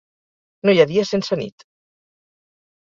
No hi ha dia sense nit.